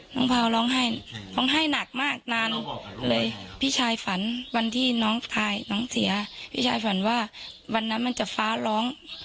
พาวร้องไห้ร้องไห้หนักมากนานเลยพี่ชายฝันวันที่น้องถ่ายน้องเสียพี่ชายฝันว่าวันนั้นมันจะฟ้าร้อง